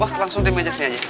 wah langsung di meja saya aja